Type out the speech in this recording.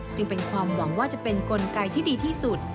จึงเป็นความหวังว่าจะเป็นกลไกที่ดีที่สุด